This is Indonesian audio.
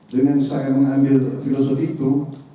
dengan saya mengambil filosofi itu